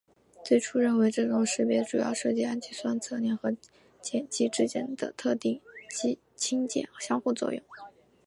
最初认为这种识别主要涉及氨基酸侧链和碱基之间的特定氢键相互作用。